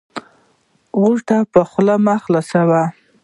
غوټه په خوله مه خلاصوی